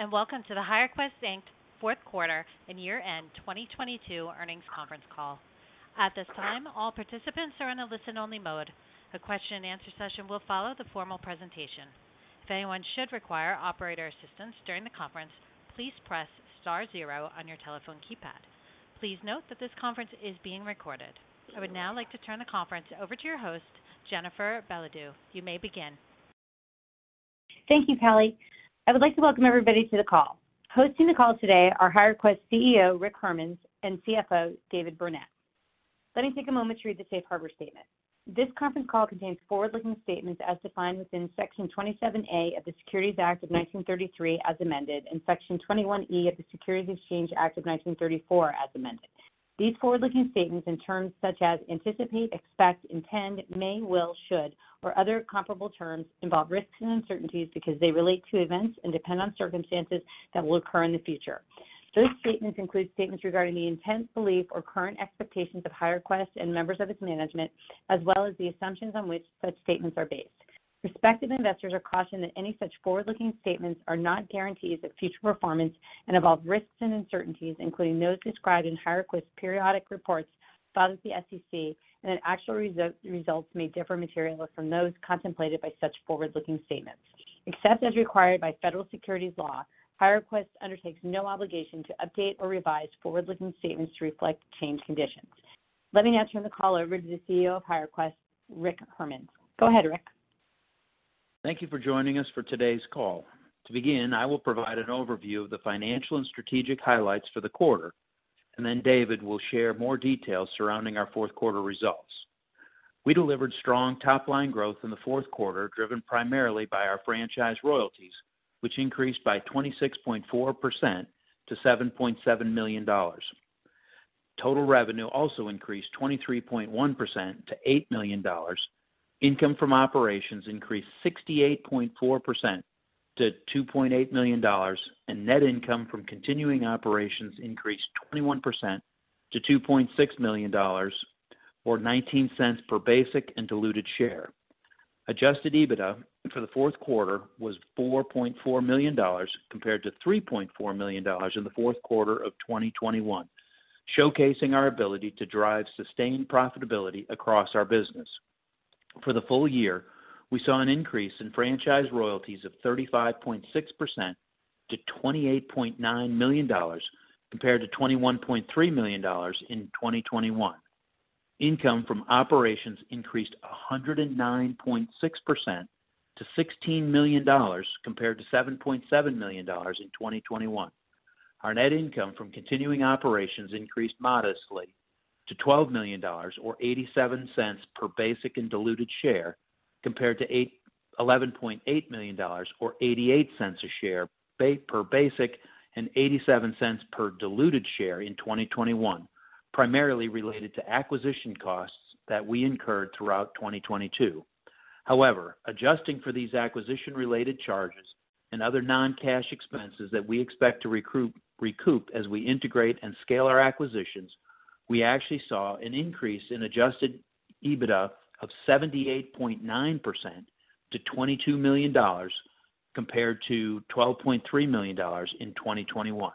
Greetings, welcome to the HireQuest, Inc. Fourth Quarter and year-end 2022 Earnings Conference Call. At this time, all participants are in a listen-only mode. A question and answer session will follow the formal presentation. If anyone should require operator assistance during the conference, please press star zero on your telephone keypad. Please note that this conference is being recorded. I would now like to turn the conference over to your host, Jennifer Belodeau. You may begin. Thank you, Kelly. I would like to welcome everybody to the call. Hosting the call today are HireQuest CEO, Rick Hermanns, and CFO, David Burnett. Let me take a moment to read the Safe Harbor statement. This conference call contains forward-looking statements as defined within section 27A of the Securities Act of 1933 as amended, and section 21E of the Securities Exchange Act of 1934 as amended. These forward-looking statements in terms such as anticipate, expect, intend, may, will, should, or other comparable terms, involve risks and uncertainties because they relate to events and depend on circumstances that will occur in the future. Those statements include statements regarding the intense belief or current expectations of HireQuest and members of its management, as well as the assumptions on which such statements are based. Respective investors are cautioned that any such forward-looking statements are not guarantees of future performance and involve risks and uncertainties, including those described in HireQuest's periodic reports filed with the SEC, and that actual results may differ materially from those contemplated by such forward-looking statements. Except as required by federal securities law, HireQuest undertakes no obligation to update or revise forward-looking statements to reflect changed conditions. Let me now turn the call over to the CEO of HireQuest, Rick Hermanns. Go ahead, Rick. Thank you for joining us for today's call. To begin, I will provide an overview of the financial and strategic highlights for the quarter, and then David will share more details surrounding our fourth quarter results. We delivered strong top-line growth in the fourth quarter, driven primarily by our franchise royalties, which increased by 26.4% to $7.7 million. Total revenue also increased 23.1% to $8 million. Income from operations increased 68.4% to $2.8 million, and net income from continuing operations increased 21% to $2.6 million, or $0.19 per basic and diluted share. Adjusted EBITDA for the fourth quarter was $4.4 million compared to $3.4 million in the fourth quarter of 2021, showcasing our ability to drive sustained profitability across our business. For the full year, we saw an increase in franchise royalties of 35.6% to $28.9 million compared to $21.3 million in 2021. Income from operations increased 109.6% to $16 million compared to $7.7 million in 2021. Our net income from continuing operations increased modestly to $12 million or $0.87 per basic and diluted share, compared to $11.8 million or $0.88 a share per basic and $0.87 per diluted share in 2021, primarily related to acquisition costs that we incurred throughout 2022. However, adjusting for these acquisition-related charges and other non-cash expenses that we expect to recoup as we integrate and scale our acquisitions, we actually saw an increase in adjusted EBITDA of 78.9% to $22 million compared to $12.3 million in 2021.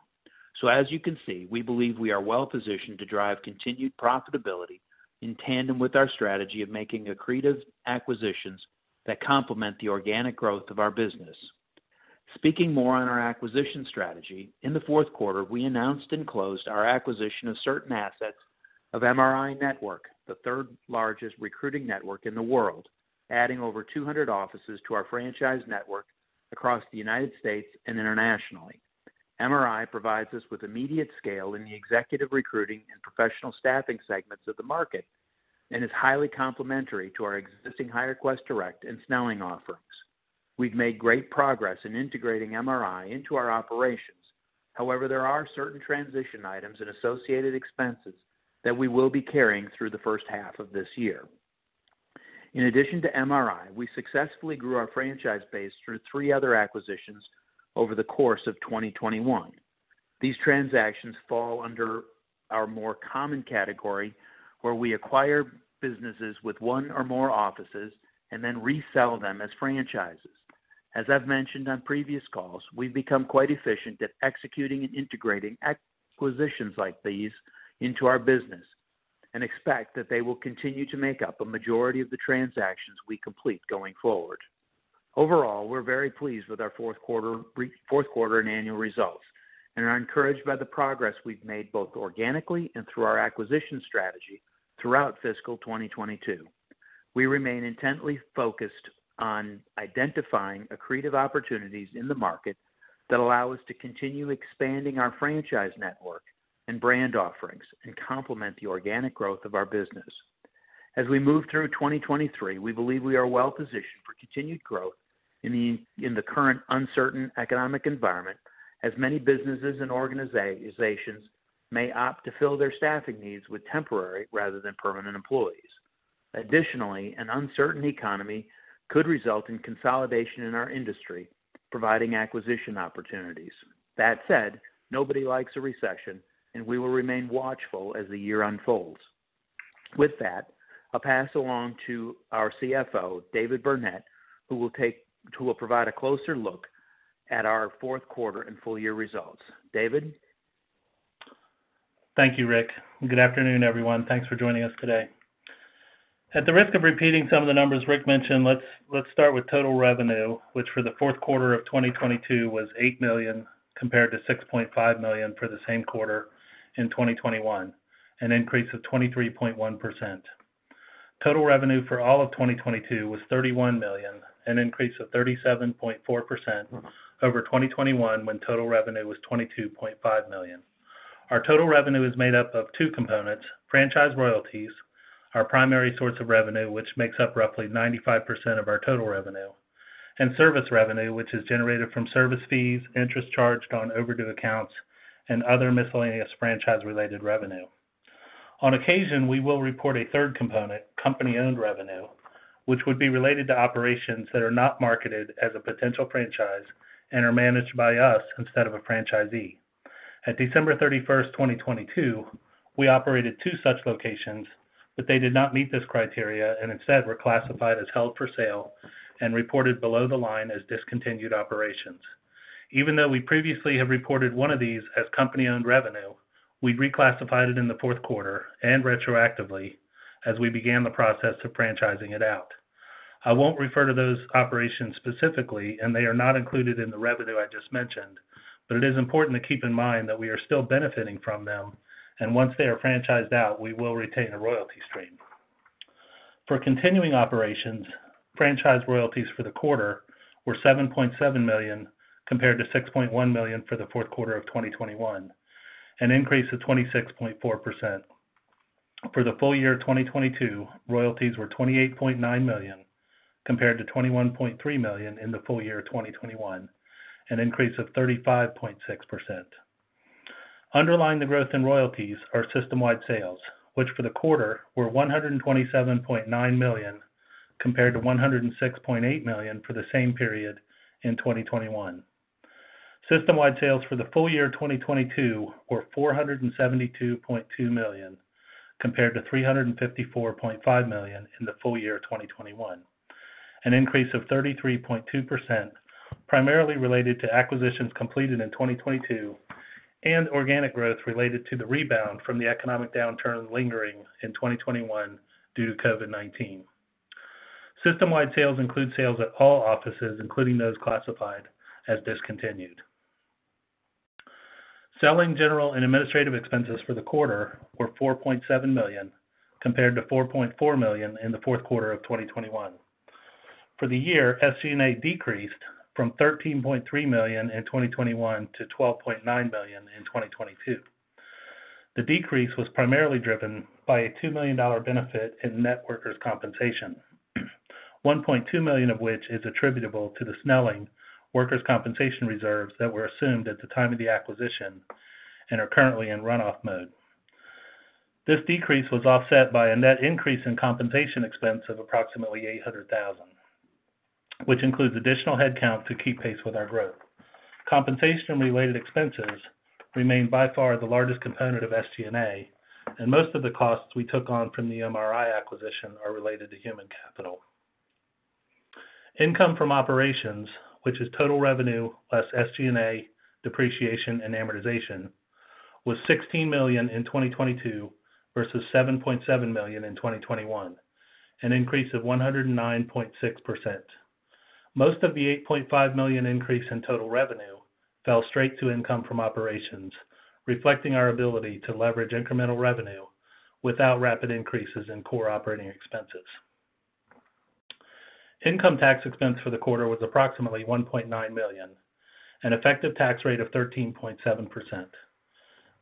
As you can see, we believe we are well positioned to drive continued profitability in tandem with our strategy of making accretive acquisitions that complement the organic growth of our business. Speaking more on our acquisition strategy, in the fourth quarter, we announced and closed our acquisition of certain assets of MRINetwork, the third-largest recruiting network in the world, adding over 200 offices to our franchise network across the United States and internationally. MRI provides us with immediate scale in the executive recruiting and professional staffing segments of the market and is highly complementary to our existing HireQuest Direct and Snelling offerings. We've made great progress in integrating MRI into our operations. However, there are certain transition items and associated expenses that we will be carrying through the first half of this year. In addition to MRI, we successfully grew our franchise base through three other acquisitions over the course of 2021. These transactions fall under our more common category, where we acquire businesses with one or more offices and then resell them as franchises. As I've mentioned on previous calls, we've become quite efficient at executing and integrating acquisitions like these into our business and expect that they will continue to make up a majority of the transactions we complete going forward. Overall, we're very pleased with our fourth quarter and annual results and are encouraged by the progress we've made, both organically and through our acquisition strategy throughout fiscal 2022. We remain intently focused on identifying accretive opportunities in the market that allow us to continue expanding our franchise network and brand offerings and complement the organic growth of our business. As we move through 2023, we believe we are well positioned for continued growth in the current uncertain economic environment, as many businesses and organizations may opt to fill their staffing needs with temporary rather than permanent employees. Additionally, an uncertain economy could result in consolidation in our industry, providing acquisition opportunities. That said, nobody likes a recession, and we will remain watchful as the year unfolds. With that, I'll pass along to our CFO, David Burnett, who will provide a closer look at our fourth quarter and full year results. David? Thank you, Rick. Good afternoon, everyone. Thanks for joining us today. At the risk of repeating some of the numbers Rick mentioned, let's start with total revenue, which for the fourth quarter of 2022 was $8 million, compared to $6.5 million for the same quarter in 2021, an increase of 23.1%. Total revenue for all of 2022 was $31 million, an increase of 37.4% over 2021, when total revenue was $22.5 million. Our total revenue is made up of two components, franchise royalties, our primary source of revenue, which makes up roughly 95% of our total revenue, and service revenue, which is generated from service fees, interest charged on overdue accounts, and other miscellaneous franchise-related revenue. On occasion, we will report a third component, company-owned revenue, which would be related to operations that are not marketed as a potential franchise and are managed by us instead of a franchisee. At December 31st, 2022, we operated two such locations, but they did not meet this criteria and instead were classified as held for sale and reported below the line as discontinued operations. Even though we previously have reported one of these as company-owned revenue, we reclassified it in the fourth quarter and retroactively as we began the process of franchising it out. I won't refer to those operations specifically, and they are not included in the revenue I just mentioned, but it is important to keep in mind that we are still benefiting from them, and once they are franchised out, we will retain a royalty stream. For continuing operations, franchise royalties for the quarter were $7.7 million, compared to $6.1 million for the fourth quarter of 2021, an increase of 26.4%. For the full year of 2022, royalties were $28.9 million, compared to $21.3 million in the full year of 2021, an increase of 35.6%. Underlying the growth in royalties are system-wide sales, which for the quarter were $127.9 million, compared to $106.8 million for the same period in 2021. System-wide sales for the full year of 2022 were $472.2 million, compared to $354.5 million in the full year of 2021, an increase of 33.2%, primarily related to acquisitions completed in 2022 and organic growth related to the rebound from the economic downturn lingering in 2021 due to COVID-19. System-wide sales include sales at all offices, including those classified as discontinued. Selling, general, and administrative expenses for the quarter were $4.7 million, compared to $4.4 million in the fourth quarter of 2021. For the year, SGNA decreased from $13.3 million in 2021 to $12.9 million in 2022. The decrease was primarily driven by a $2 million benefit in net workers' compensation, $1.2 million of which is attributable to the Snelling workers' compensation reserves that were assumed at the time of the acquisition and are currently in run-off mode. This decrease was offset by a net increase in compensation expense of approximately $800,000, which includes additional headcount to keep pace with our growth. Compensation-related expenses remain by far the largest component of SGNA, and most of the costs we took on from the MRI acquisition are related to human capital. Income from operations, which is total revenue less SGNA, depreciation, and amortization, was $16 million in 2022 versus $7.7 million in 2021, an increase of 109.6%. Most of the $8.5 million increase in total revenue fell straight to income from operations, reflecting our ability to leverage incremental revenue without rapid increases in core operating expenses. Income tax expense for the quarter was approximately $1.9 million, an effective tax rate of 13.7%.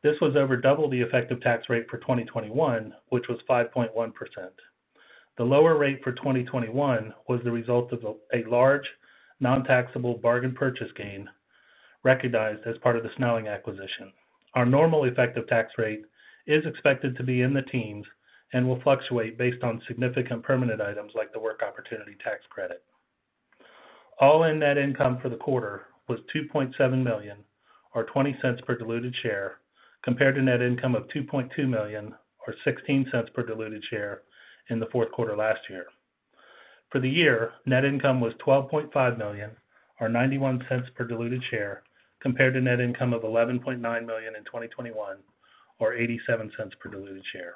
This was over double the effective tax rate for 2021, which was 5.1%. The lower rate for 2021 was the result of a large non-taxable bargain purchase gain recognized as part of the Snelling acquisition. Our normal effective tax rate is expected to be in the teens and will fluctuate based on significant permanent items like the Work Opportunity Tax Credit. All in net income for the quarter was $2.7 million or $0.20 per diluted share, compared to net income of $2.2 million or $0.16 per diluted share in the fourth quarter last year. For the year, net income was $12.5 million or $0.91 per diluted share, compared to net income of $11.9 million in 2021 or $0.87 per diluted share.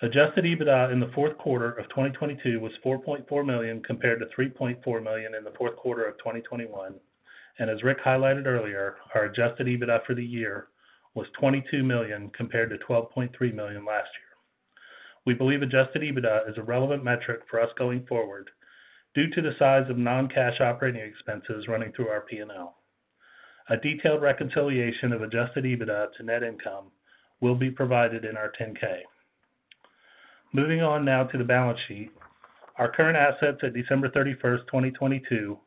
Adjusted EBITDA in the fourth quarter of 2022 was $4.4 million compared to $3.4 million in the fourth quarter of 2021. As Rick highlighted earlier, our Adjusted EBITDA for the year was $22 million compared to $12.3 million last year. We believe Adjusted EBITDA is a relevant metric for us going forward due to the size of non-cash operating expenses running through our P&L. A detailed reconciliation of adjusted EBITDA to net income will be provided in our 10-K. Moving on now to the balance sheet. Our current assets at December 31, 2022,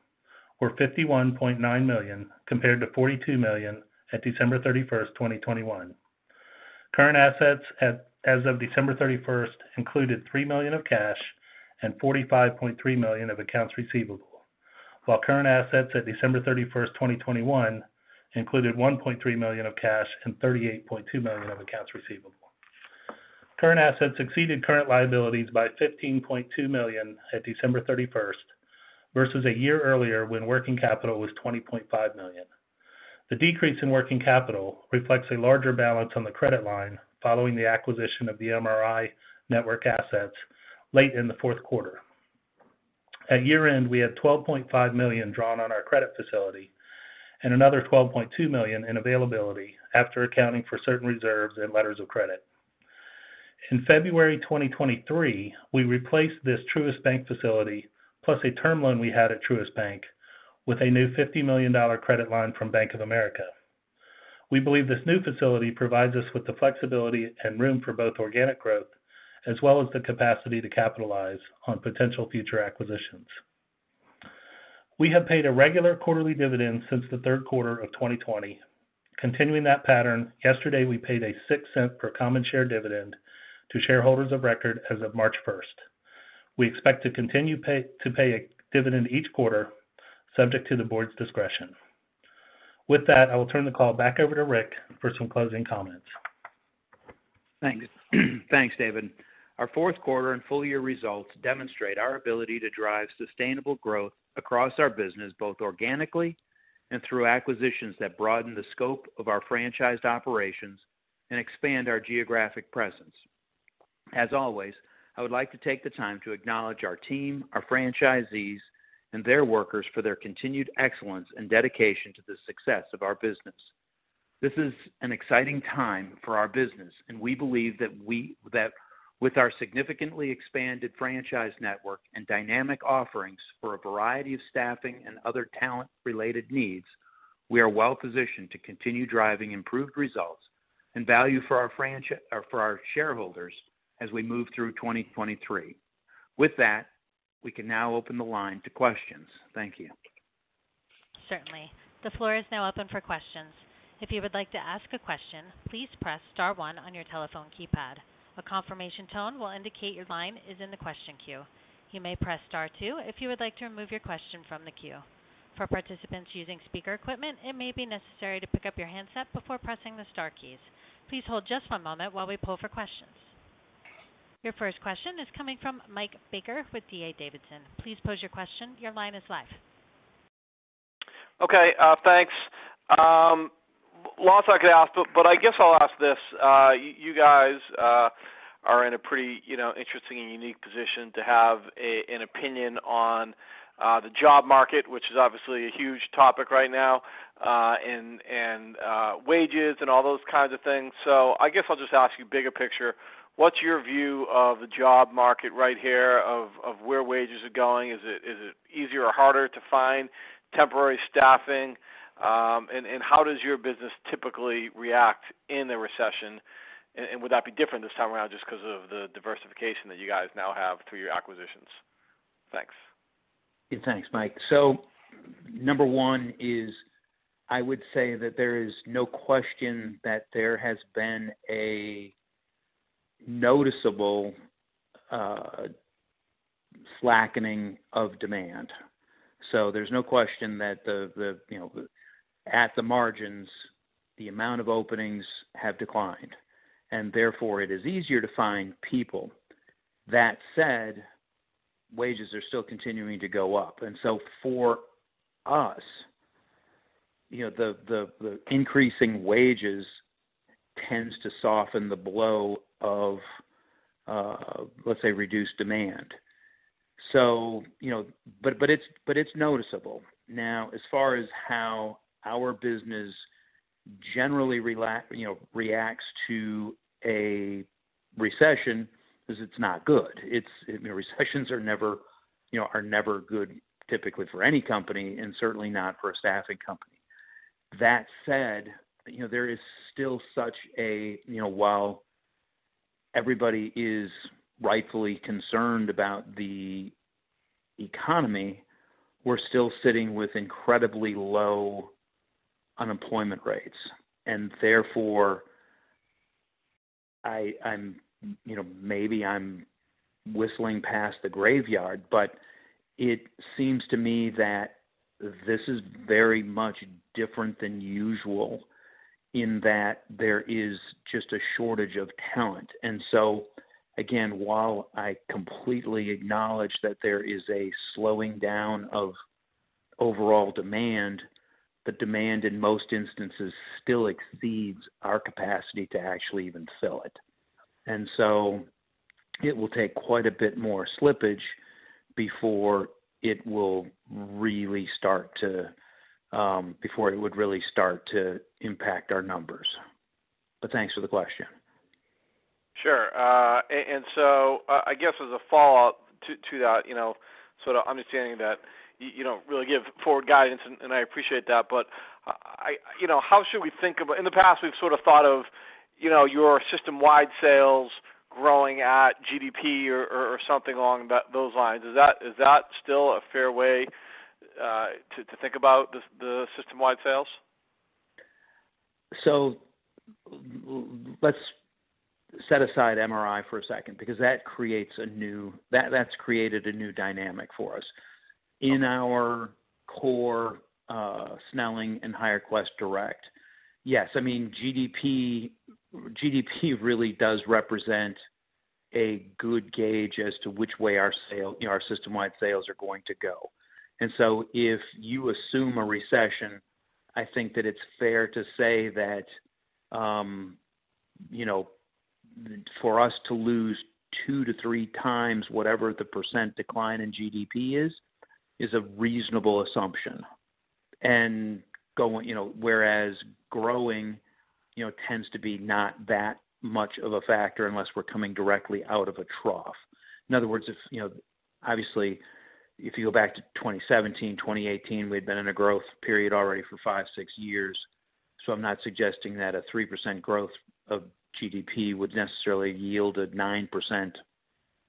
were $51.9 million compared to $42 million at December 31, 2021. Current assets as of December 31 included $3 million of cash and $45.3 million of accounts receivable. Current assets at December 31, 2021, included $1.3 million of cash and $38.2 million of accounts receivable. Current assets exceeded current liabilities by $15.2 million at December 31, versus a year earlier when working capital was $20.5 million. The decrease in working capital reflects a larger balance on the credit line following the acquisition of the MRI network assets late in the fourth quarter. At year-end, we had $12.5 million drawn on our credit facility and another $12.2 million in availability after accounting for certain reserves and letters of credit. In February 2023, we replaced this Truist Bank facility, plus a term loan we had at Truist Bank, with a new $50 million credit line from Bank of America. We believe this new facility provides us with the flexibility and room for both organic growth as well as the capacity to capitalize on potential future acquisitions. We have paid a regular quarterly dividend since the third quarter of 2020. Continuing that pattern, yesterday, we paid a $0.06 per common share dividend to shareholders of record as of March 1st. We expect to continue to pay a dividend each quarter, subject to the board's discretion. With that, I will turn the call back over to Rick for some closing comments. Thanks. Thanks, David. Our fourth quarter and full year results demonstrate our ability to drive sustainable growth across our business, both organically and through acquisitions that broaden the scope of our franchised operations and expand our geographic presence. As always, I would like to take the time to acknowledge our team, our franchisees, and their workers for their continued excellence and dedication to the success of our business. This is an exciting time for our business, and we believe that with our significantly expanded franchise network and dynamic offerings for a variety of staffing and other talent-related needs, we are well-positioned to continue driving improved results and value for our or for our shareholders as we move through 2023. With that, we can now open the line to questions. Thank you. Certainly. The floor is now open for questions. If you would like to ask a question, please press star one on your telephone keypad. A confirmation tone will indicate your line is in the question queue. You may press star two if you would like to remove your question from the queue. For participants using speaker equipment, it may be necessary to pick up your handset before pressing the star keys. Please hold just one moment while we pull for questions. Your first question is coming from Mike Baker with D.A. Davidson. Please pose your question. Your line is live. Okay, thanks. Lots I could ask, but I guess I'll ask this. Y-you guys are in a pretty, you know, interesting and unique position to have an opinion on the job market, which is obviously a huge topic right now, and wages and all those kinds of things. I guess I'll just ask you bigger picture, what's your view of the job market right here of where wages are going? Is it easier or harder to find temporary staffing? And how does your business typically react in a recession, and would that be different this time around just 'cause of the diversification that you guys now have through your acquisitions? Thanks. Thanks, Mike. Number one is, I would say that there is no question that there has been a noticeable slackening of demand. There's no question that the, you know, at the margins, the amount of openings have declined, and therefore, it is easier to find people. That said, wages are still continuing to go up. For us, you know, the increasing wages tends to soften the blow of, let's say, reduced demand. You know, But it's noticeable. Now, as far as how our business generally, you know, reacts to a recession, is it's not good. Recessions are never, you know, are never good typically for any company and certainly not for a staffing company. That said, you know, there is still such a, you know, while everybody is rightfully concerned about the economy, we're still sitting with incredibly low unemployment rates. Therefore, I'm, you know, maybe I'm whistling past the graveyard, but it seems to me that this is very much different than usual in that there is just a shortage of talent. Again, while I completely acknowledge that there is a slowing down of overall demand, the demand in most instances still exceeds our capacity to actually even fill it. It will take quite a bit more slippage before it will really start to, before it would really start to impact our numbers. Thanks for the question. Sure. I guess as a follow-up to that, you know, sort of understanding that you don't really give forward guidance, and I appreciate that. I, you know, how should we think about? In the past, we've sort of thought of, you know, your system-wide sales growing at GDP or something along those lines. Is that still a fair way, to think about the system-wide sales? Let's set aside MRI for a second because that's created a new dynamic for us. In our core, Snelling and HireQuest Direct, yes, I mean, GDP really does represent a good gauge as to which way our system-wide sales are going to go. If you assume a recession, I think that it's fair to say that, you know, for us to lose 2 to 3 times whatever the % decline in GDP is a reasonable assumption. Going, you know, whereas growing, you know, tends to be not that much of a factor unless we're coming directly out of a trough. In other words, if, you know, obviously, if you go back to 2017, 2018, we'd been in a growth period already for 5, 6 years. I'm not suggesting that a 3% growth of GDP would necessarily yield a 9%,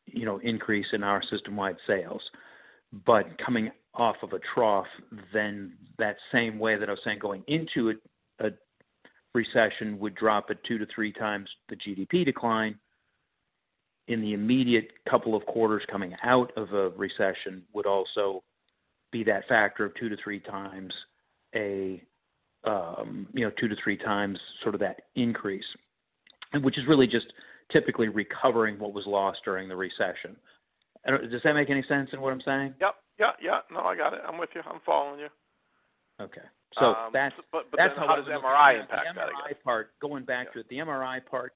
you know, increase in our system-wide sales. Coming off of a trough, then that same way that I was saying going into it, a recession would drop it 2 to 3 times the GDP decline. In the immediate couple of quarters coming out of a recession would also be that factor of 2 to 3 times a, you know, 2 to 3 times sort of that increase, which is really just typically recovering what was lost during the recession. I don't. Does that make any sense in what I'm saying? Yep. Yeah, yeah. No, I got it. I'm with you. I'm following you. Okay. how does MRI impact that again? The MRI part, going back to the MRI part.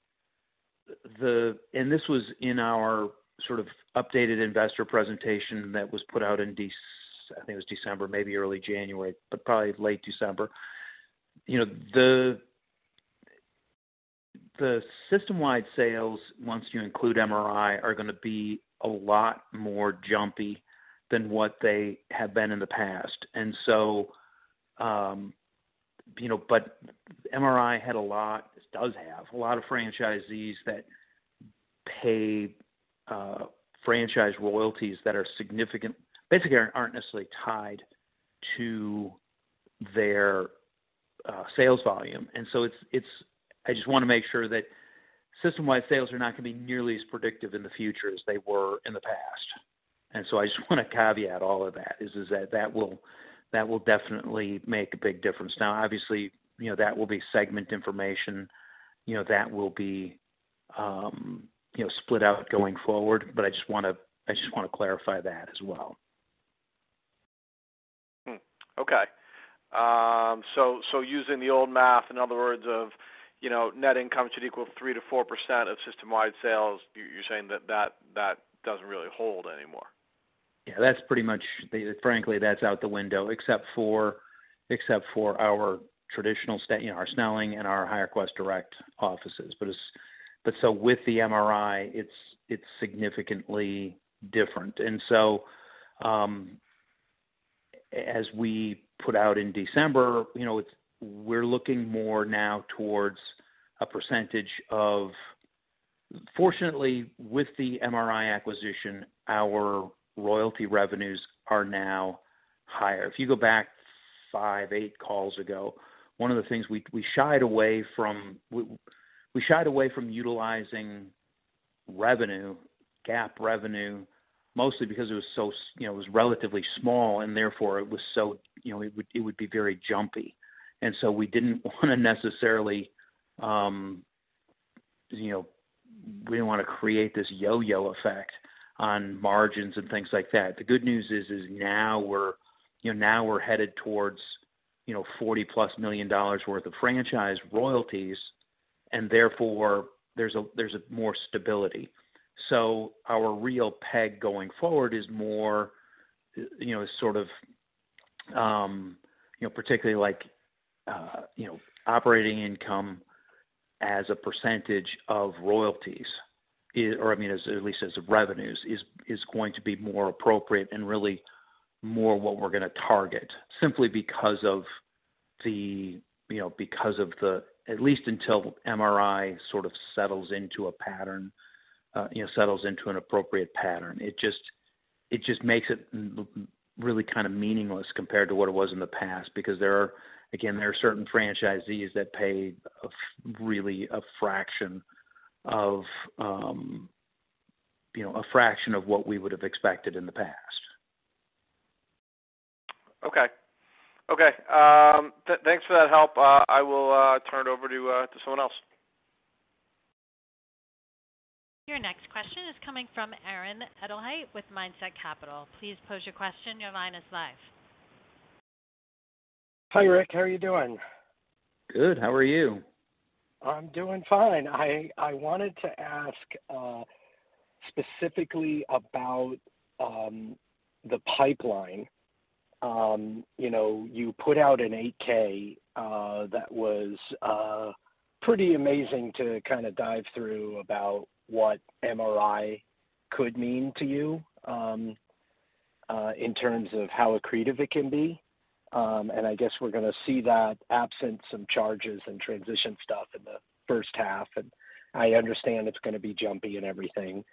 This was in our sort of updated investor presentation that was put out in December. I think it was December, maybe early January, but probably late December. You know, the system-wide sales, once you include MRI, are gonna be a lot more jumpy than what they have been in the past. You know, MRI does have a lot of franchisees that pay franchise royalties that are significant, basically aren't necessarily tied to their sales volume. I just wanna make sure that system-wide sales are not gonna be nearly as predictive in the future as they were in the past. I just wanna caveat all of that, is that that will definitely make a big difference. Obviously, you know, that will be segment information, you know, that will be, you know, split out going forward, but I just wanna clarify that as well. Okay. Using the old math, in other words of, you know, net income should equal 3%-4% of system-wide sales, you're saying that doesn't really hold anymore. Yeah, that's pretty much the... Frankly, that's out the window, except for, except for our traditional you know, our Snelling and our HireQuest Direct offices. It's... So with the MRI, it's significantly different. As we put out in December, you know, we're looking more now towards a percentage of... Fortunately, with the MRI acquisition, our royalty revenues are now higher. If you go back five, eight calls ago, one of the things we shied away from utilizing revenue, GAAP revenue, mostly because it was so you know, it was relatively small, and therefore it was so, you know, it would be very jumpy. We didn't wanna necessarily, you know, we didn't wanna create this yo-yo effect on margins and things like that. The good news is now we're, you know, now we're headed towards, you know, $40+ million worth of franchise royalties, and therefore there's a more stability. Our real peg going forward is more, you know, sort of, you know, particularly like, you know, operating income as a percentage of royalties or I mean, as at least as revenues, is going to be more appropriate and really more what we're gonna target. Simply because of the, you know, at least until MRI sort of settles into a pattern, you know, settles into an appropriate pattern. It just makes it really kind of meaningless compared to what it was in the past. There are, again, there are certain franchisees that pay really a fraction of, you know, a fraction of what we would have expected in the past. Okay. Okay, thanks for that help. I will turn it over to someone else. Your next question is coming from Aaron Edelheit with Mindset Capital. Please pose your question. Your line is live. Hi, Rick. How are you doing? Good. How are you? I'm doing fine. I wanted to ask specifically about the pipeline. You know, you put out an 8-K that was pretty amazing to kind of dive through about what MRI could mean to you in terms of how accretive it can be. I guess we're gonna see that absence of charges and transition stuff in the first half. I understand it's gonna be jumpy and everything.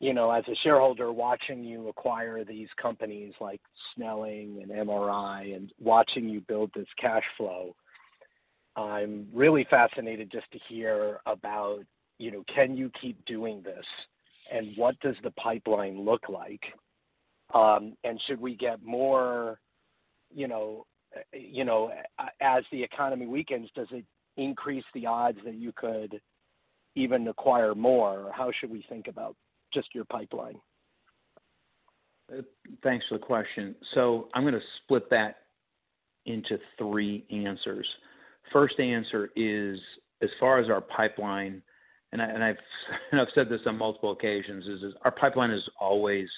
You know, as a shareholder, watching you acquire these companies like Snelling and MRI and watching you build this cash flow, I'm really fascinated just to hear about, you know, can you keep doing this, and what does the pipeline look like? Should we get more, you know, as the economy weakens, does it increase the odds that you could even acquire more? How should we think about just your pipeline? Thanks for the question. I'm gonna split that into three answers. First answer is, as far as our pipeline, and I've said this on multiple occasions, is this. Our pipeline is always...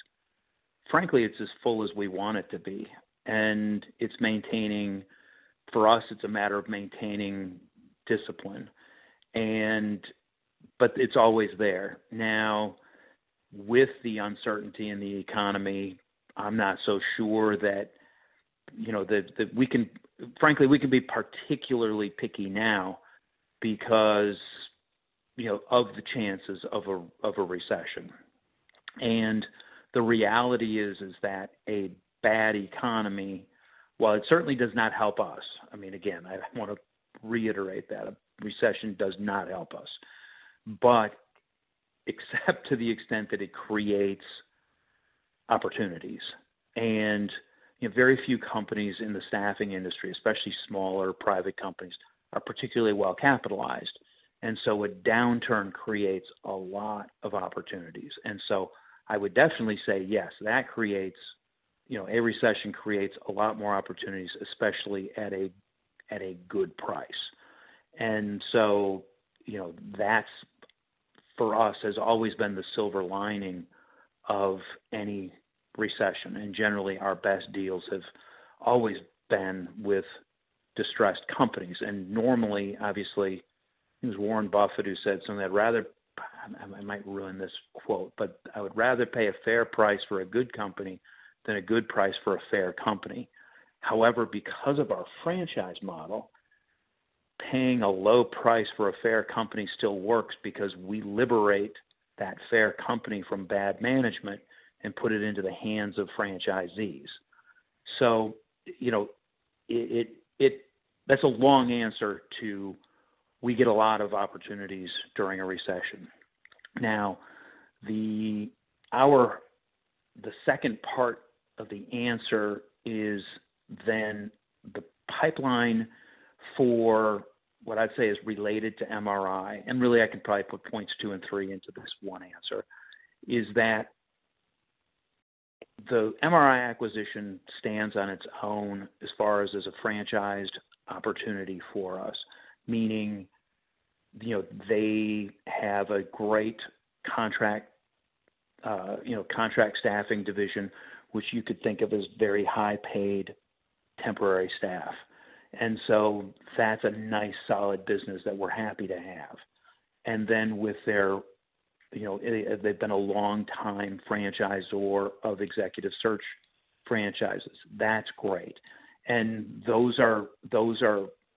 Frankly, it's as full as we want it to be, and it's maintaining. For us, it's a matter of maintaining discipline and... It's always there. With the uncertainty in the economy, I'm not so sure that, you know, that we can... Frankly, we can be particularly picky now because, you know, of the chances of a recession. The reality is that a bad economy, while it certainly does not help us, I mean, again, I wanna reiterate that. A recession does not help us. Except to the extent that it creates opportunities, and, you know, very few companies in the staffing industry, especially smaller, private companies, are particularly well-capitalized. A downturn creates a lot of opportunities. I would definitely say yes, that creates, you know, a recession creates a lot more opportunities, especially at a good price. You know, that's, for us, has always been the silver lining of any recession, and generally, our best deals have always been with distressed companies. Normally, obviously, it was Warren Buffett who said something, "I'd rather..." I might ruin this quote, but, "I would rather pay a fair price for a good company than a good price for a fair company." Because of our franchise model, paying a low price for a fair company still works because we liberate that fair company from bad management and put it into the hands of franchisees. You know, it... That's a long answer to, we get a lot of opportunities during a recession. The second part of the answer is the pipeline for what I'd say is related to MRI, and really I could probably put points two and three into this one answer, is that the MRI acquisition stands on its own as far as it's a franchised opportunity for us. Meaning, you know, they have a great contract, you know, contract staffing division, which you could think of as very high-paid temporary staff. That's a nice solid business that we're happy to have. With their, you know, they've been a long time franchisor of executive search franchises. That's great. Those are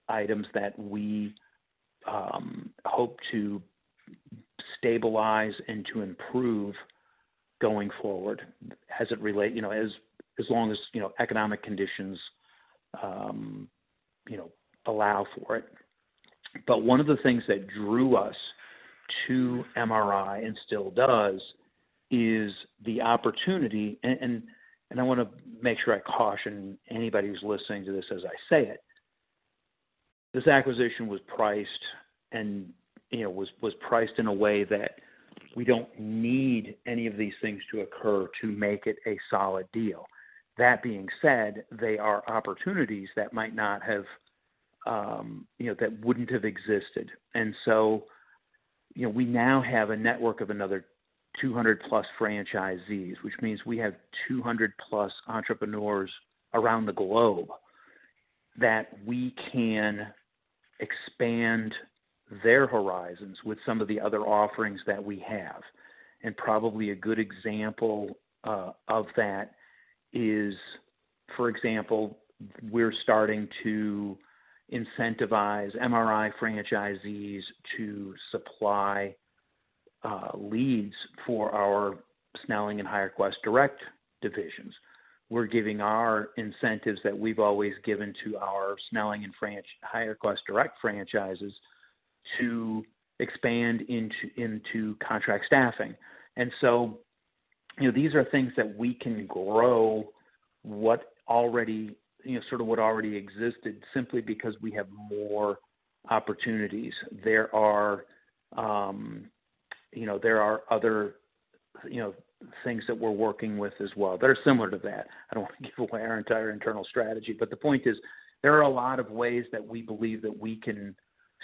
items that we hope to stabilize and to improve going forward as it relate, you know, as long as, you know, economic conditions, you know, allow for it. One of the things that drew us to MRI, and still does, is the opportunity, and I wanna make sure I caution anybody who's listening to this as I say it. This acquisition was priced and, you know, was priced in a way that we don't need any of these things to occur to make it a solid deal. That being said, they are opportunities that might not have, you know, that wouldn't have existed. You know, we now have a network of another 200+ franchisees, which means we have 200+ entrepreneurs around the globe that we can expand their horizons with some of the other offerings that we have. Probably a good example of that is, for example, we're starting to incentivize MRI franchisees to supply leads for our Snelling and HireQuest Direct divisions. We're giving our incentives that we've always given to our Snelling and HireQuest Direct franchises to expand into contract staffing. You know, these are things that we can grow what already, you know, sort of what already existed simply because we have more opportunities. There are, you know, there are other, you know, things that we're working with as well that are similar to that. I don't want to give away our entire internal strategy, but the point is, there are a lot of ways that we believe that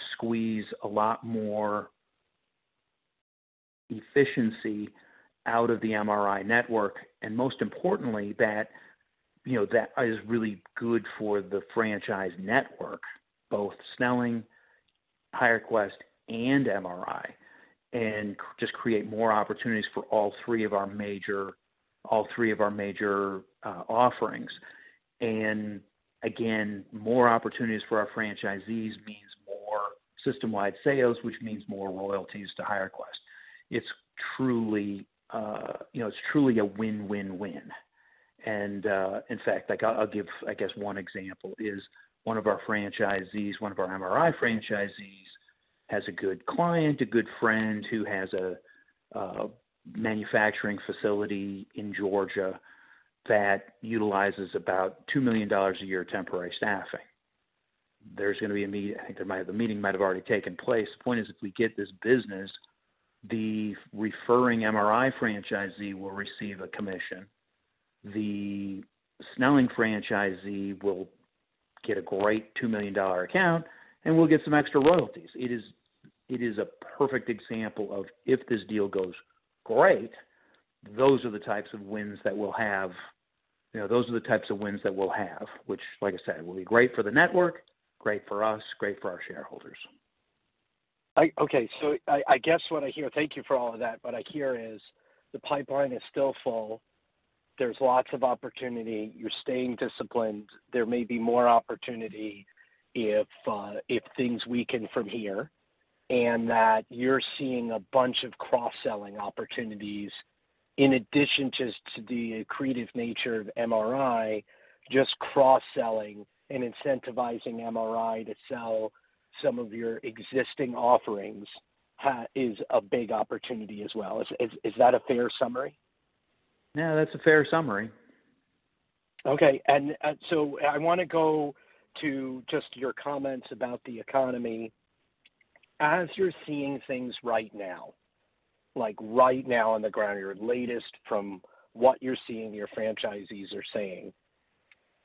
we can squeeze a lot more efficiency out of the MRI Network, and most importantly, that, you know, that is really good for the franchise network, both Snelling, HireQuest, and MRI, and just create more opportunities for all three of our major offerings. More opportunities for our franchisees means System-wide sales, which means more royalties to HireQuest. It's truly, you know, it's truly a win-win-win. In fact, like I'll give, I guess one example is one of our franchisees, one of our MRI franchisees, has a good client, a good friend who has a manufacturing facility in Georgia that utilizes about $2 million a year temporary staffing. The meeting might have already taken place. The point is, if we get this business, the referring MRI franchisee will receive a commission. The Snelling franchisee will get a great $2 million account, and we'll get some extra royalties. It is a perfect example of if this deal goes great, those are the types of wins that we'll have, you know, those are the types of wins that we'll have, which like I said, will be great for the network, great for us, great for our shareholders. Okay, I guess what I hear, thank you for all of that, but I hear is the pipeline is still full. There's lots of opportunity. You're staying disciplined. There may be more opportunity if things weaken from here, and that you're seeing a bunch of cross-selling opportunities in addition to the accretive nature of MRI, just cross-selling and incentivizing MRI to sell some of your existing offerings is a big opportunity as well. Is that a fair summary? Yeah, that's a fair summary. Okay. I wanna go to just your comments about the economy. As you're seeing things right now, like right now on the ground, your latest from what you're seeing your franchisees are saying,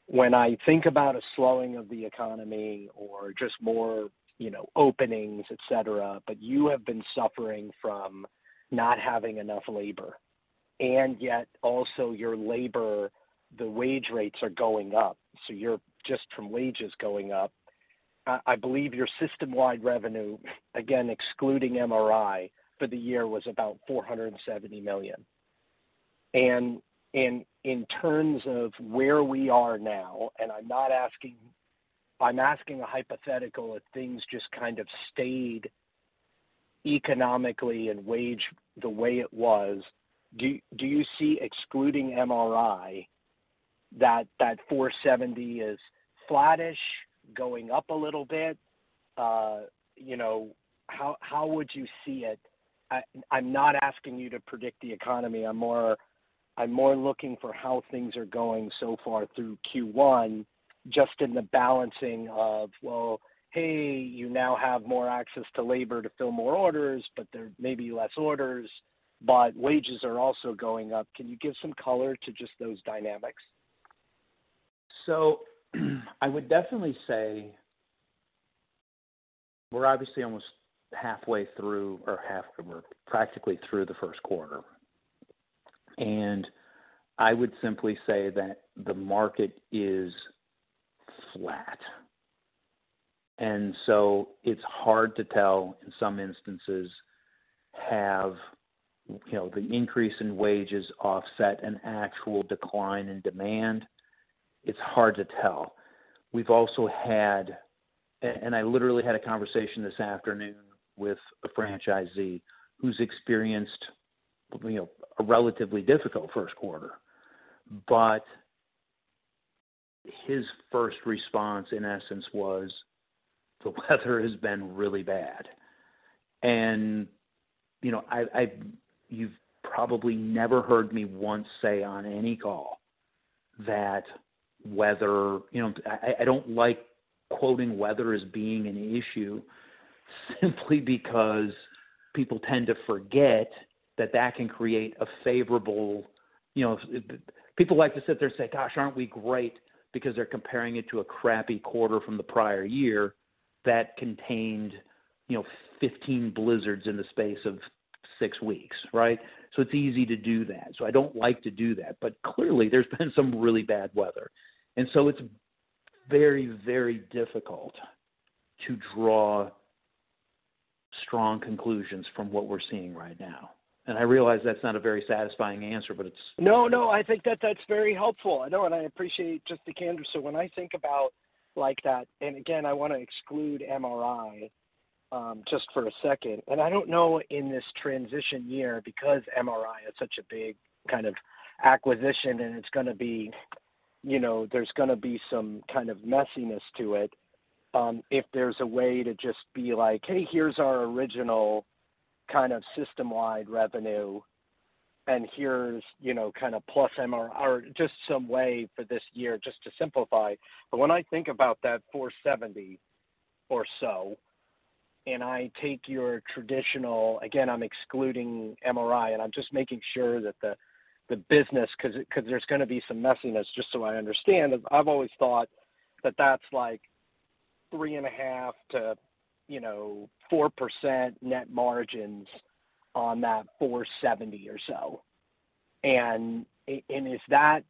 when I think about a slowing of the economy or just more, you know, openings, et cetera, but you have been suffering from not having enough labor, and yet also your labor, the wage rates are going up, so you're just from wages going up. I believe your system-wide revenue, again excluding MRI, for the year was about $470 million. In terms of where we are now, and I'm not asking... I'm asking a hypothetical, if things just kind of stayed economically and wage the way it was, do you see excluding MRI that that $470 is flattish going up a little bit? you know, how would you see it? I'm not asking you to predict the economy. I'm more looking for how things are going so far through Q1, just in the balancing of, well, hey, you now have more access to labor to fill more orders, but there may be less orders, but wages are also going up. Can you give some color to just those dynamics? I would definitely say we're obviously almost halfway through or half the work, practically through the first quarter. I would simply say that the market is flat. It's hard to tell in some instances have, you know, the increase in wages offset an actual decline in demand. It's hard to tell. We've also had I literally had a conversation this afternoon with a franchisee who's experienced, you know, a relatively difficult first quarter. His first response, in essence, was, "The weather has been really bad." You know, I've you've probably never heard me once say on any call that weather... You know, I don't like quoting weather as being an issue simply because people tend to forget that that can create a favorable... You know, people like to sit there and say, "Gosh, aren't we great?" Because they're comparing it to a crappy quarter from the prior year that contained, you know, 15 blizzards in the space of six weeks, right? It's easy to do that. I don't like to do that. Clearly, there's been some really bad weather. It's very, very difficult to draw strong conclusions from what we're seeing right now. I realize that's not a very satisfying answer, but it's- No, no, I think that that's very helpful. I know, and I appreciate just the candor. When I think about like that, and again, I wanna exclude MRI, just for a second, and I don't know in this transition year, because MRI is such a big kind of acquisition and it's gonna be, you know, there's gonna be some kind of messiness to it, if there's a way to just be like, "Hey, here's our original kind of system-wide revenue, and here's, you know, kind of plus MRI..." Just some way for this year just to simplify. When I think about that $470 or so, and I take your traditional, again, I'm excluding MRI, and I'm just making sure that the business, 'cause there's gonna be some messiness, just so I understand, is I've always thought that that's like 3.5%-4% net margins on that $470 or so. And is that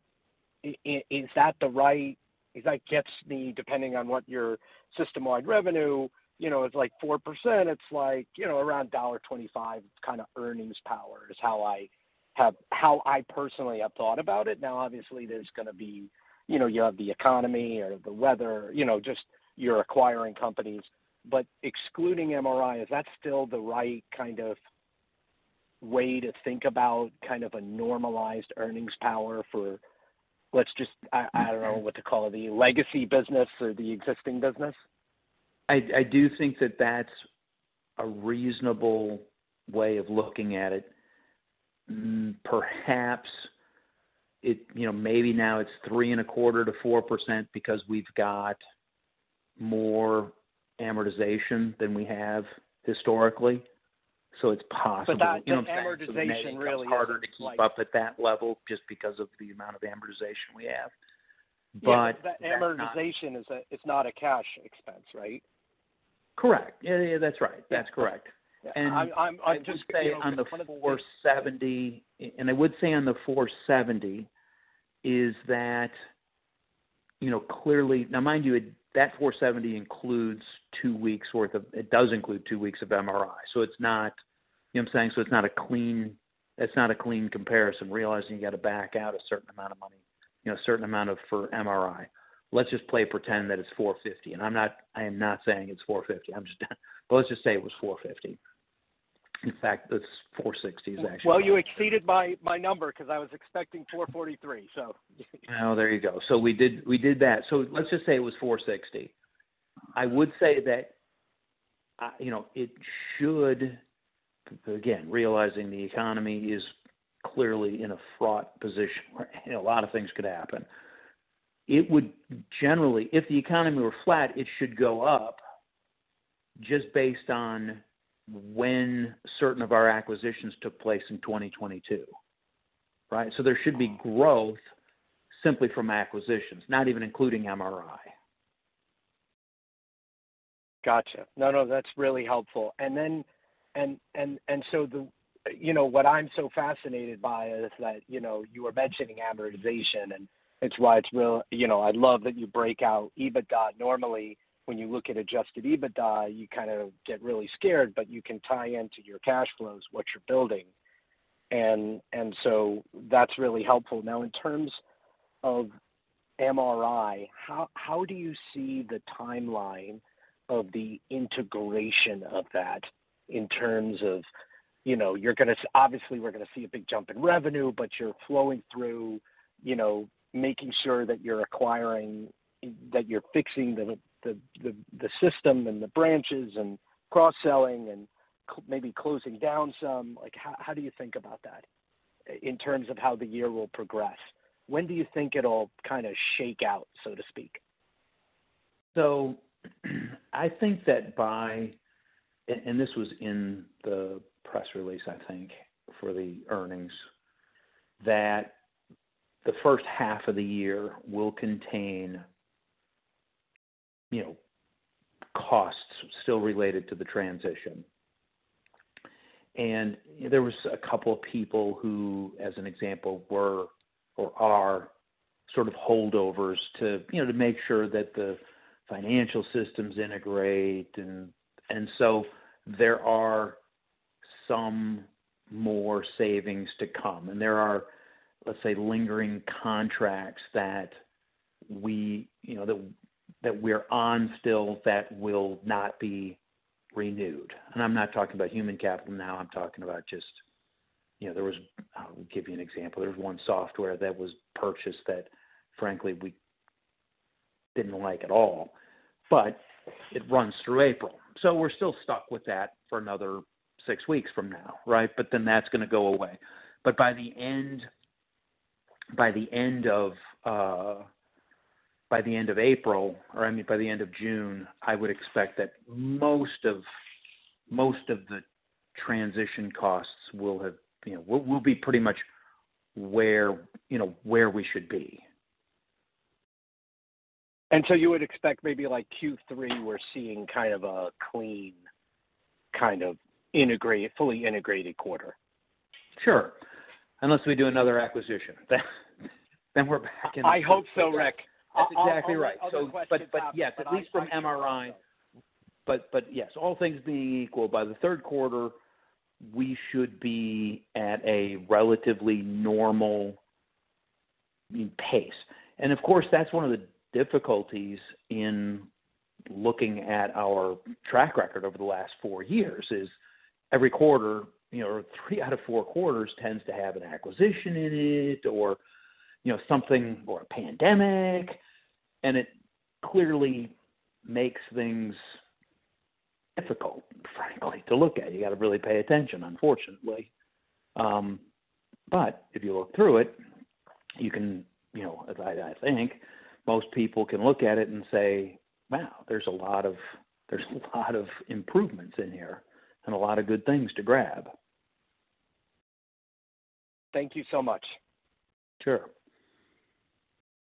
the right? If that gets me, depending on what your system-wide revenue, you know, it's like 4%, it's like, you know, around $1.25 kind of earnings power is how I personally have thought about it. Obviously, there's gonna be, you know, you have the economy or the weather, you know, just you're acquiring companies. Excluding MRI, is that still the right kind of way to think about kind of a normalized earnings power for, let's just, I don't know what to call it, the legacy business or the existing business? I do think that that's a reasonable way of looking at it. Perhaps it, you know, maybe now it's three and a quarter to 4% because we've got more amortization than we have historically. It's possible. That, the amortization really is like- It's harder to keep up at that level just because of the amount of amortization we have. Yeah, that amortization is not a cash expense, right? Correct. Yeah, that's right. That's correct. I'm just saying. I would say on the 470 is that, you know, clearly. Now mind you, that 470 it does include 2 weeks of MRI. It's not, you know what I'm saying, so it's not a clean comparison. Realizing you gotta back out a certain amount of money, you know, a certain amount of, for MRI. Let's just play pretend that it's 450, and I am not saying it's 450. I'm just. Let's just say it was 450. In fact, this 460 is actually. you exceeded my number because I was expecting $4.43. Oh, there you go. We did that. Let's just say it was $460. I would say that, you know, it should, again, realizing the economy is clearly in a fraught position, right, and a lot of things could happen. It would generally, if the economy were flat, it should go up just based on when certain of our acquisitions took place in 2022. Right? There should be growth simply from acquisitions, not even including MRI. Gotcha. No, no, that's really helpful. The... You know, what I'm so fascinated by is that, you know, you were mentioning amortization, and it's why it's real... You know, I love that you break out EBITDA. Normally, when you look at adjusted EBITDA, you kind of get really scared, but you can tie into your cash flows, what you're building. That's really helpful. Now, in terms of MRI, how do you see the timeline of the integration of that in terms of, you know, you're gonna obviously, we're gonna see a big jump in revenue, but you're flowing through, you know, making sure that you're acquiring, that you're fixing the system and the branches and cross-selling and maybe closing down some. Like, how do you think about that in terms of how the year will progress? When do you think it'll kind of shake out, so to speak? I think that by, and this was in the press release, I think, for the earnings, that the first half of the year will contain, you know, costs still related to the transition. There was a couple of people who, as an example, were or are sort of holdovers to, you know, to make sure that the financial systems integrate and so there are some more savings to come. There are, let's say, lingering contracts that we, you know, that we're on still that will not be renewed. I'm not talking about human capital now, I'm talking about just, you know, there was. I'll give you an example. There was one software that was purchased that frankly we didn't like at all, but it runs through April. We're still stuck with that for another six weeks from now, right? That's gonna go away. But by the end, by the end of April, or I mean by the end of June, I would expect that most of the transition costs will have, you know, we'll be pretty much where, you know, where we should be. You would expect maybe like Q3, we're seeing kind of a clean, kind of integrate, fully integrated quarter. Sure. Unless we do another acquisition. We're back in- I hope so, Rick. That's exactly right. But, but yes, at least from MRI. But, but yes, all things being equal, by the third quarter, we should be at a relatively normal pace. Of course, that's one of the difficulties in looking at our track record over the last four years is every quarter, you know, or three out of four quarters tends to have an acquisition in it or, you know, something or a pandemic, and it clearly makes things difficult, frankly, to look at. You gotta really pay attention, unfortunately. But if you look through it, you can, you know, as I think most people can look at it and say, "Wow, there's a lot of, there's a lot of improvements in here and a lot of good things to grab. Thank you so much. Sure.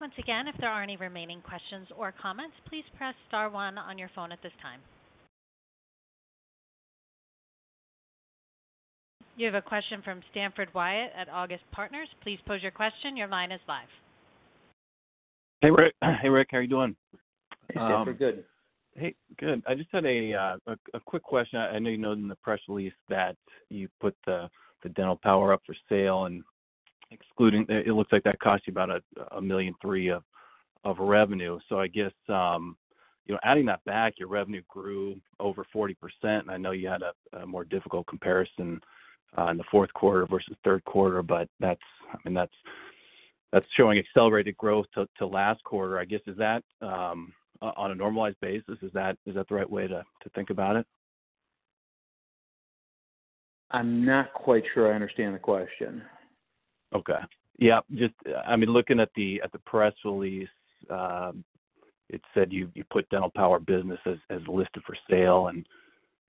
Once again, if there are any remaining questions or comments, please press star one on your phone at this time. You have a question from Stanford Wyatt at Augusta Partners. Please pose your question. Your line is live. Hey, Rick. How are you doing? Hey, Stanford. Good. Hey, good. I just had a quick question. I know you know in the press release that you put the Dental Power up for sale. Excluding that cost you about $1.3 million of revenue. I guess, you know, adding that back, your revenue grew over 40%. I know you had a more difficult comparison in the fourth quarter versus third quarter, but I mean, that's showing accelerated growth to last quarter. I guess, is that, on a normalized basis, is that the right way to think about it? I'm not quite sure I understand the question. Okay. Yeah, I mean, looking at the press release, it said you put Dental Power business as listed for sale, and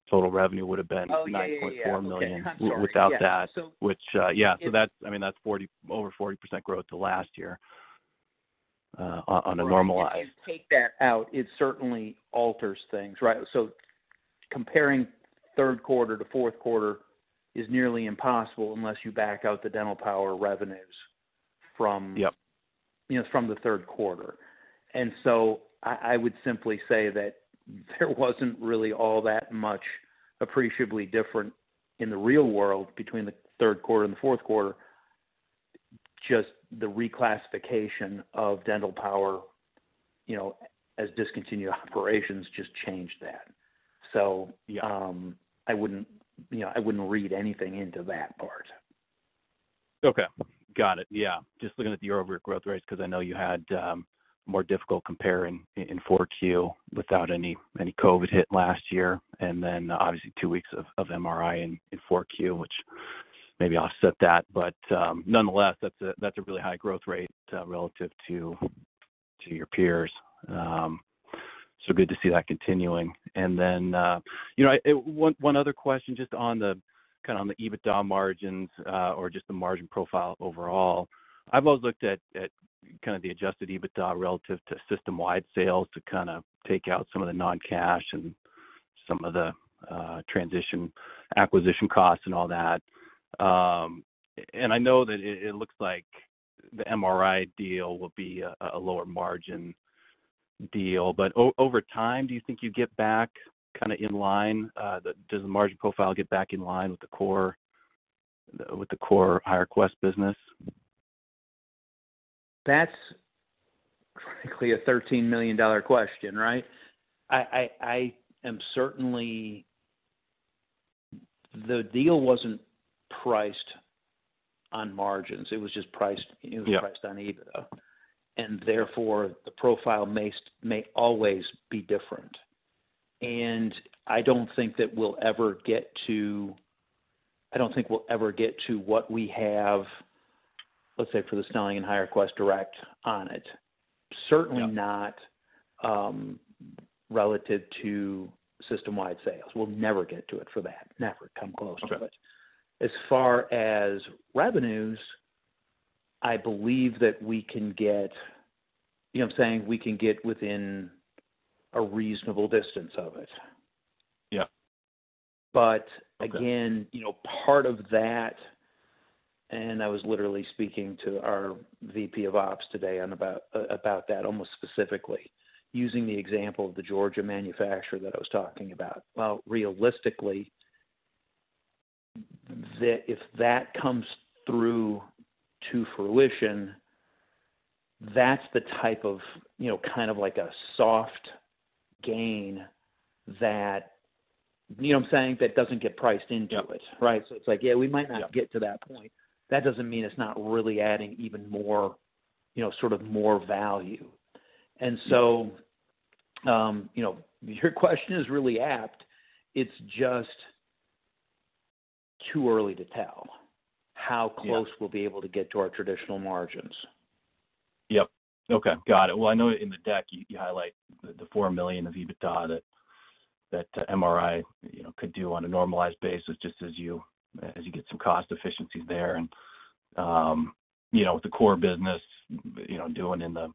total revenue would have been- Oh, yeah, yeah. $9.4 million Okay. I'm sorry. without that. Yeah. Which It- I mean, over 40% growth to last year, on a normalized. If you take that out, it certainly alters things, right? Comparing third quarter to fourth quarter is nearly impossible unless you back out the Dental Power revenues from. Yep. You know, from the third quarter. I would simply say that there wasn't really all that much appreciably different in the real world between the third quarter and the fourth quarter. Just the reclassification of Dental Power, you know, as discontinued operations just changed that. Yeah. I wouldn't, you know, I wouldn't read anything into that part. Okay. Got it. Yeah. Just looking at the year-over-year growth rates, 'cause I know you had more difficult comparing in Q4 without any COVID-19 hit last year, obviously, two weeks of MRI in Q4, which maybe offset that. Nonetheless, that's a really high growth rate relative to your peers. Good to see that continuing. You know, one other question just on the kind of on the EBITDA margins, or just the margin profile overall. I've always looked at kind of the adjusted EBITDA relative to system-wide sales to kind of take out some of the non-cash and some of the transition acquisition costs and all that. I know that it looks like the MRI deal will be a lower margin deal. Over time, do you think you get back kinda in line? Does the margin profile get back in line with the core HireQuest business? That's frankly a $13 million question, right? I am certainly. The deal wasn't priced on margins. It was just priced. Yeah. It was priced on EBITDA. Therefore, the profile may always be different. I don't think that we'll ever get to what we have, let's say, for the Snelling and HireQuest Direct on it. Yeah. Certainly not, relative to system-wide sales. We'll never get to it for that. Never come close to it. Okay. As far as revenues, I believe that we can get... You know what I'm saying? We can get within a reasonable distance of it. Yeah. But again- Okay. You know, part of that, I was literally speaking to our VP of Ops today on about about that almost specifically, using the example of the Georgia manufacturer that I was talking about. Well, realistically, if that comes through to fruition, that's the type of, you know, kind of like a soft gain that. You know what I'm saying? That doesn't get priced into it. Yeah. Right? it's like, yeah, we might not. Yeah. get to that point. That doesn't mean it's not really adding even more, you know, sort of more value. You know, your question is really apt. It's just too early to tell. Yeah. how close we'll be able to get to our traditional margins. Yep. Okay. Got it. Well, I know in the deck you highlight the $4 million of EBITDA that MRI, you know, could do on a normalized basis just as you get some cost efficiencies there. With the core business, you know, doing in the,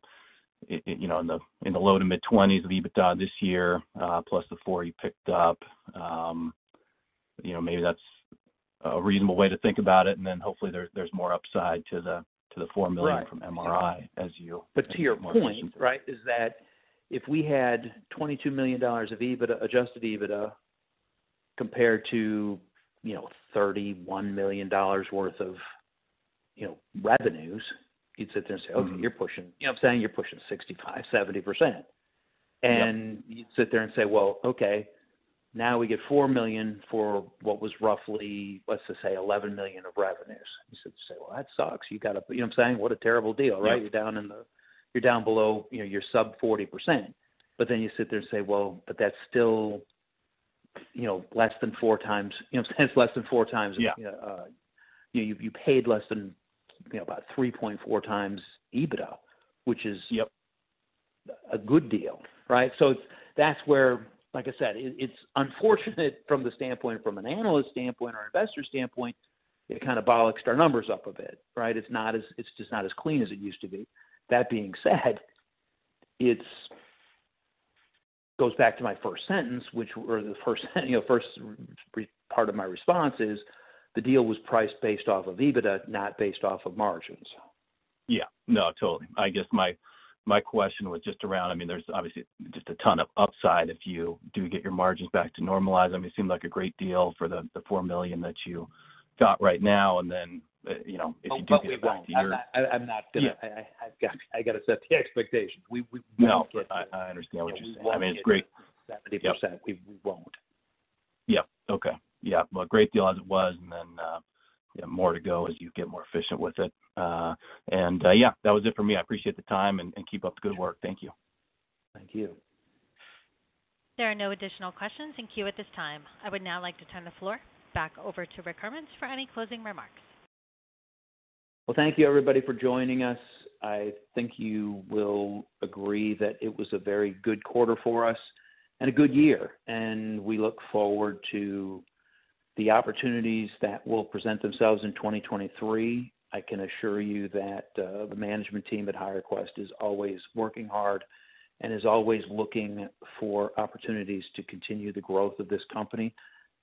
you know, in the low to mid-$20s of EBITDA this year, plus the $4 you picked up, you know, maybe that's a reasonable way to think about it, then hopefully there's more upside to the $4 million. Right. -from MRI as you get more efficient. to your point, right, is that if we had $22 million of EBITDA, adjusted EBITDA compared to, you know, $31 million worth of, you know, revenues, you'd sit there and say. Mm-hmm. Okay, you're pushing... You know what I'm saying? You're pushing 65%-70%. Yeah. You'd sit there and say, "Well, okay, now we get $4 million for what was roughly, let's just say $11 million of revenues." You'd sit and say, "Well, that sucks. You gotta..." You know what I'm saying? What a terrible deal, right? Yeah. You know, you're sub 40%. You sit there and say, "Well, but that's still, you know, less than 4 times..." You know what I'm saying? It's less than 4 times. Yeah. You paid less than, you know, about 3.4x EBITDA. Yep. a good deal, right? That's where, like I said, it's unfortunate from the standpoint, from an analyst standpoint or investor standpoint. It kind of bollocks our numbers up a bit, right? It's just not as clean as it used to be. That being said, it's goes back to my first sentence, which were the first, you know, part of my response is the deal was priced based off of EBITDA, not based off of margins. Yeah. No, totally. I guess my question was just around. I mean, there's obviously just a ton of upside if you do get your margins back to normalize. I mean, it seemed like a great deal for the $4 million that you got right now, and then, you know, if you do get back to your- We won't. I'm not gonna. Yeah. I've got, I gotta set the expectation. No, I understand what you're saying. We won't. I mean, it's great. 70%. Yep. We won't. Yeah. Okay. Yeah. Well, great deal as it was then, yeah, more to go as you get more efficient with it. Yeah, that was it for me. I appreciate the time, and keep up the good work. Thank you. Thank you. There are no additional questions in queue at this time. I would now like to turn the floor back over to Rick Hermanns for any closing remarks. Well, thank you everybody for joining us. I think you will agree that it was a very good quarter for us and a good year, and we look forward to the opportunities that will present themselves in 2023. I can assure you that the management team at HireQuest is always working hard and is always looking for opportunities to continue the growth of this company.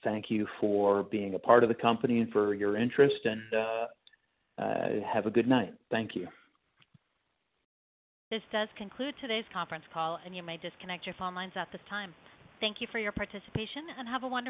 Thank you for being a part of the company and for your interest, and have a good night. Thank you. This does conclude today's conference call, and you may disconnect your phone lines at this time. Thank you for your participation, and have a wonderful night.